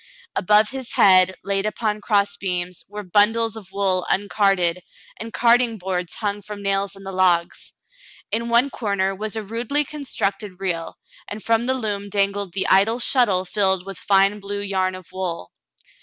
Above his head, laid upon cross beams, were bundles of wool uncarded, and carding boards hung from nails in the logs. In one corner was a rudely constructed reel, and from the loom dangled the idle shuttle filled with fine blue yarn of wool.